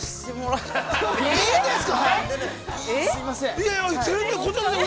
◆いいんですか。